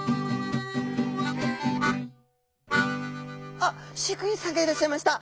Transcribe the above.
あっ飼育員さんがいらっしゃいました。